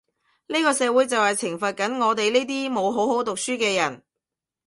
呢個社會就係懲罰緊我哋呢啲冇好好讀書嘅人